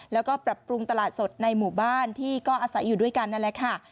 แล้วก็ปรับปรุงตลาดสดในหมู่บ้านที่ก็อาศัยอยู่ด้วยกันนั่นแหละค่ะ